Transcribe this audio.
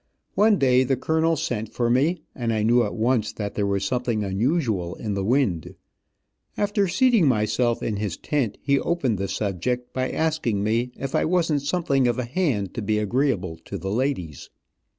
One day the colonel sent for me, and I knew at once that there was something unusual in the wind. After seating myself in his tent he opened the subject by asking me if I wasn't something of a hand to be agreeable to the ladies.